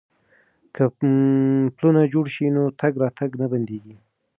که پلونه جوړ شي نو تګ راتګ نه بندیږي.